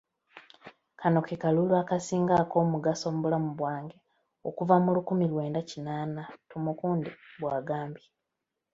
“Kano ke kalulu akasinga ok'omugaso mu bulamu bwange okuva mu lukumi lwenda kinaana,” Tumukunde bw'agambye.